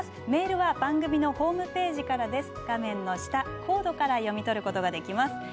メールは番組のホームページから画面の下、コードから読み取ることができます。